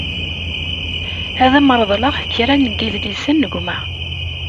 Ad am-reḍleɣ kra n yedlisen n gma.